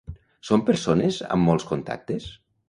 Són persones amb molts contactes?